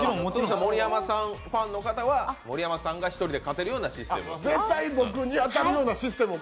盛山ファンの方は盛山さんが１人で勝てるようなシステム。